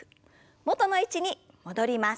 元の位置に戻ります。